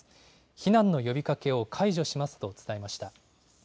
避難の呼びかけを解除しますと伝えました。